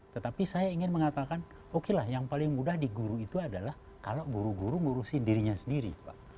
tetapi saya ingin mengatakan oke lah yang paling mudah di guru itu adalah kalau guru guru ngurusin dirinya sendiri pak